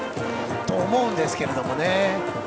と思うんですけど。